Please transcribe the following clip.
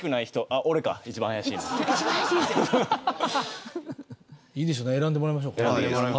えっといいですね選んでもらいましょう。